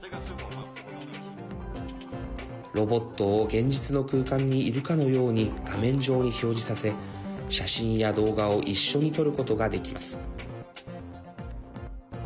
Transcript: ロボットを現実の空間にいるかのように画面上に表示させ、写真や動画を一緒に撮ることができます。